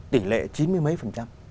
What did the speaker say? tỉ lệ chín mươi mấy phần trăm